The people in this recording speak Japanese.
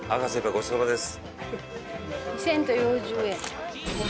ごちそうさまです。